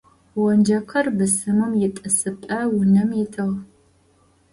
Онджэкъыр бысымым итӏысыпӏэ унэм итыгъ.